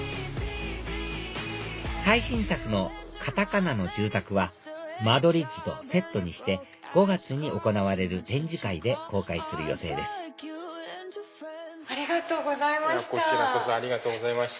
最新作の片仮名の住宅は間取り図とセットにして５月に行われる展示会で公開する予定ですありがとうございました。